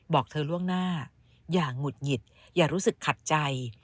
บอกเธอล่วงหน้าอย่างหงุดหงิดอย่ารู้สึกขัดใจ